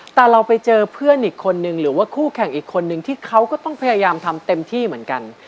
แต่เราไปเจอเพื่อนอีกคนนึงหรือว่าคู่แข่งอีกคนนึงที่เขาก็ต้องพยายามทำเต็มที่เหมือนกัน